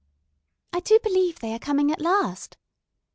"I do believe they are coming at last."